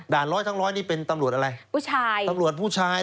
ด่านร้อยทั้งร้อยนี่เป็นตำรวจอะไรตำรวจผู้ชาย